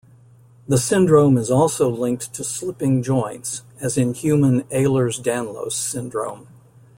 The syndrome is also linked to slipping joints, as in human Ehlers-Danlos syndrome.